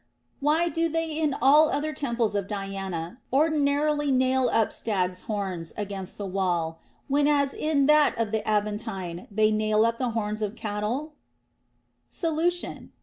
Why do they in all other temples of Diana ordinarily nail up stags' horns against the wall, whenas in that of the Aventine they nail up the horns of cattle X Solution.